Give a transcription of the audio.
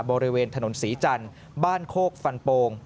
บริเวณถนนศรีจันทร์บ้านโคกฟันโปง